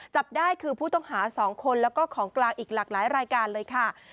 จับได้คือผู้ต้องหา๒คนแล้วก็ของกลางอีกหลากหลายรายการเลยค่ะ